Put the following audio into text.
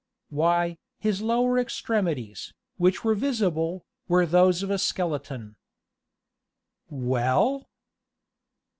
"Why, his lower extremities, which were visible, were those of a skeleton." "Well?"